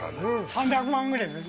３００万ぐらいする。